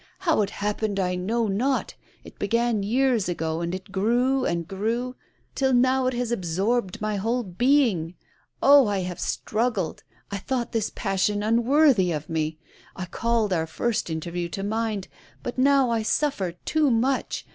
How it happened I know not. It began years ago, and it grew and grew, till now it has absorbed my whole being. Oh 1 I have struggled. I thought this passion unworthy of me. I called our first interview to mind. But now I suffer too much.